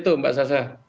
itu mbak sasa